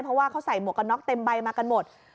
เพราะว่าเขาใส่หมวกกันน็อกเต็มใบมากันหมด